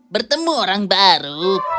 bertemu orang baru